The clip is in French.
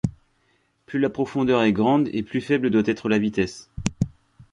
Plus la profondeur est grande et plus faible doit être la vitesse.